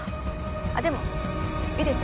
あっでもいいです